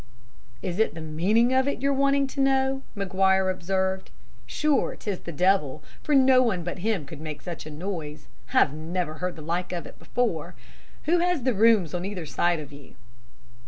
"'Is it the meaning of it you're wanting to know?' Maguire observed. 'Sure 'tis the devil, for no one but him could make such a noise. I've never heard the like of it before. Who has the rooms on either side of you?'